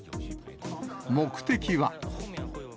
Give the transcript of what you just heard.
目的は。